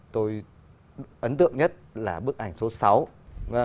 tôi ấn tượng nhất là bức ảnh số sáu